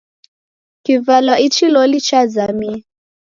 Kivalwa ichi loli chazamie!